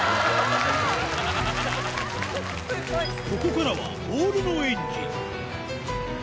ここからはボールの演技